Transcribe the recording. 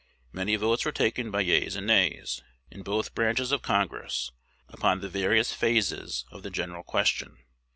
Many votes were taken by yeas and nays, in both branches of Congress, upon the various phases of the general question.